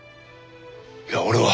いや俺は。